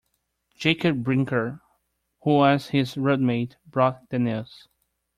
Jacob Brinker, who was his roadmate, brought the news.